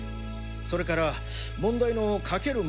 それから問題の書ける